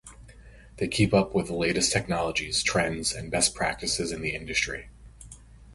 They keep up with the latest technologies, trends, and best practices in the industry.